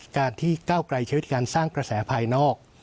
การที่เก้าไกลชีวิตการสร้างกระแสภายนอก